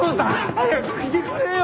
早く来てくれよ。